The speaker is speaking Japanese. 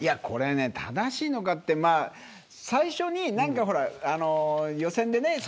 これね、正しいのかってまあ最初に何か予選でね